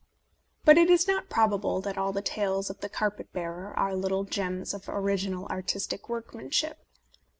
But it is not probable that all the tales of the carpet bearer are little gems of original artistic workmanship.